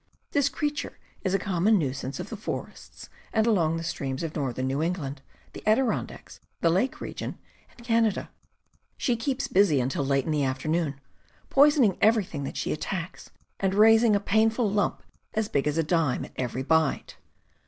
This creature is a common nuisance of the forests and along the streams of northern New England, the Adirondacks, the Lake region, and Canada. She keeps busy until late in the afternoon, poisoning everything that she attacks, and raising a painful lump as big as a dime at every bite.